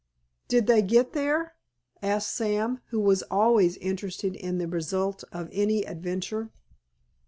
"Did they get there?" asked Sam, who was always interested in the result of any adventure.